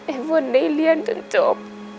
ไอ้ฝนได้เรียนจนจบ